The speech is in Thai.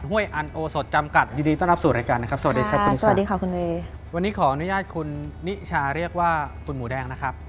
วันนี้ขออนุญาตคุณนิชาเรียกว่าคุณหมูแดงนะครับ